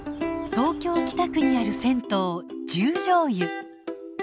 東京・北区にある銭湯十條湯。